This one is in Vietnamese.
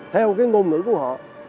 theo cái ngôn ngữ của họ